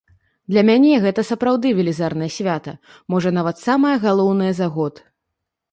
Для мяне гэта сапраўды велізарнае свята, можа нават самае галоўнае за год.